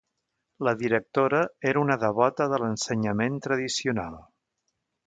La directora era una devota de l'ensenyament tradicional